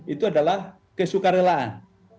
itu adalah kesukaan relaan